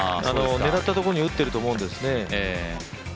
狙ったところに打ってると思うんですね。